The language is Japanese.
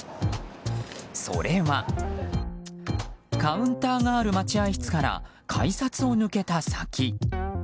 それはカウンターがある待合室から改札を抜けた先。